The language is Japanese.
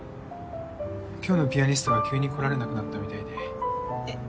今日のピアニストが急に来られなくなったみたいでえっ